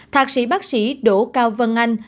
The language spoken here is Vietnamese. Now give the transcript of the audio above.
thạc sĩ bác sĩ đỗ cao vân anh